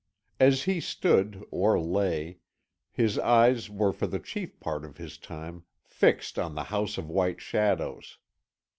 As he stood, or lay, his eyes were for the chief part of his time fixed on the House of White Shadows.